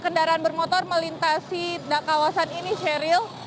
kendaraan bermotor melintasi kawasan ini sheryl